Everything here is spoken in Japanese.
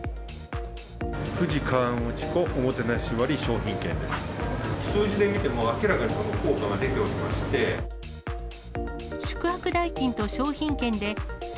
富士河口湖おもてなし割商品券です。